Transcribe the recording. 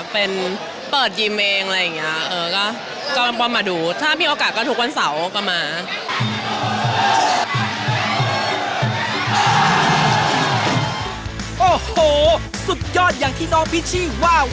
เป็นเปิดยิมเองอะไรอย่างนี้